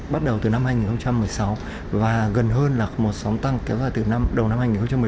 bắt đầu từ năm hai nghìn một mươi sáu và gần hơn là một sóng tăng kéo dài từ đầu năm hai nghìn một mươi